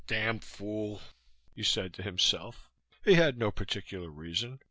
"Damn fool," he said to himself. He had no particular reason.